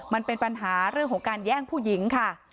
มันเป็นปัญหาเรื่องของการแย่งผู้หญิงค่ะ